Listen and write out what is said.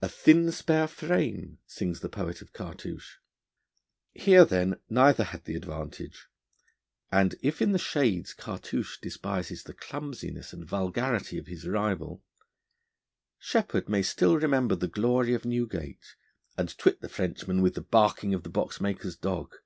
'A thin, spare frame,' sings the poet of Cartouche. Here, then, neither had the advantage, and if in the shades Cartouche despises the clumsiness and vulgarity of his rival, Sheppard may still remember the glory of Newgate, and twit the Frenchman with the barking of the boxmaker's dog.